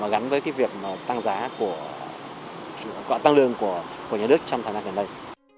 gắn với việc tăng lương của nhà nước trong thời gian gần đây